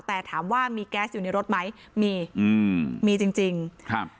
แต่ถามว่ามีแก๊สอยู่ในรถไหมมีอืมมีจริงจริงครับ